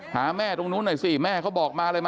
หาแม่ตรงนู้นหน่อยสิแม่เขาบอกมาเลยมา